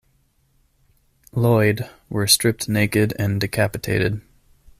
Lloyd, were stripped naked and decapitated.